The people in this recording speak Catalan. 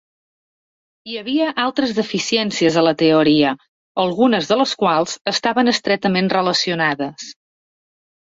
Hi havia altres deficiències a la teoria, algunes de les quals estaven estretament relacionades.